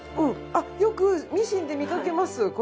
よくミシンで見かけますこれ。